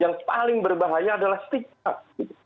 yang paling berbahaya adalah stigma